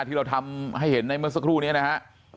ที่เราทำให้เห็นในเมื่อสักครู่นี้นะฮะ